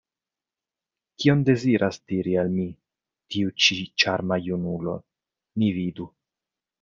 Kion deziras diri al mi tiu ĉi ĉarma junulo? Ni vidu!